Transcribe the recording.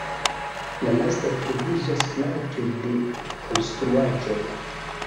La lastaj troviĝas flanke de konstruaĵoj.